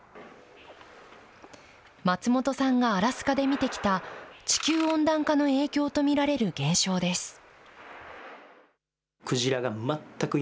松本さんがアラスカで見てきた、地球温暖化の影響と見られる現象です。